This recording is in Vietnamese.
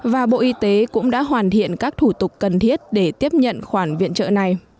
và bộ y tế cũng đã hoàn thiện các thủ tục cần thiết để tiếp nhận khoản viện trợ này